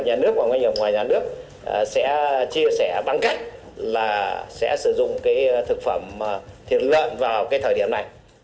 cả nhà nước và ngoài nhà nước sẽ chia sẻ bằng cách là sẽ sử dụng thực phẩm thịt lợn vào thời điểm này